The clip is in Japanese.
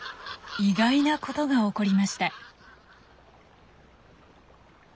意外なことが起こりました。